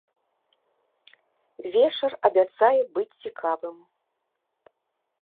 Вечар абяцае быць цікавым!